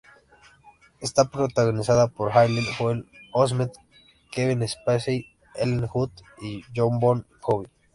Está protagonizada por Haley Joel Osment, Kevin Spacey, Helen Hunt y Jon Bon Jovi.